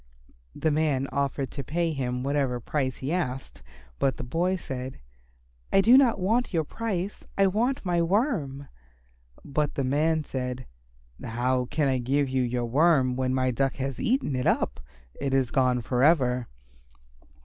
The man offered to pay him whatever price he asked, but the boy said, "I do not want your price. I want my Worm." But the man said, "How can I give you your Worm when my Duck has eaten it up? It is gone for ever."